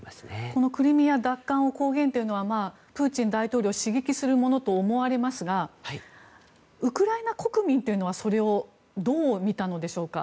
このクリミア奪還を公言というのはプーチン大統領を刺激するものと思われますがウクライナ国民というのはそれをどう見たのでしょうか？